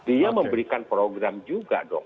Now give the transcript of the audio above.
dia memberikan program juga dong